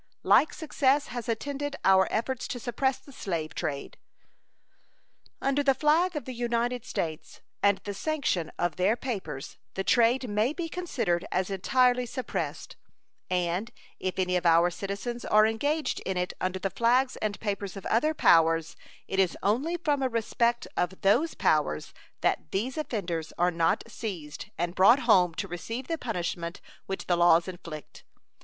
Like success has attended our efforts to suppress the slave trade. Under the flag of the United States and the sanction of their papers the trade may be considered as entirely suppressed, and if any of our citizens are engaged in it under the flags and papers of other powers, it is only from a respect of those powers that these offenders are not seized and brought home to receive the punishment which the laws inflict.